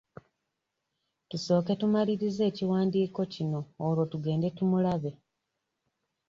Tusooke tumalirize ekiwandiiko kino olwo tugende tumulabe.